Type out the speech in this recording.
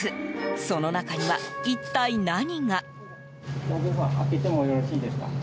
その中には、一体何が？